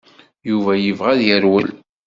Yuba yebɣa ad yerwel.